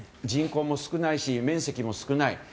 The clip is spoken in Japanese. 人口も少ないし面積も少ない。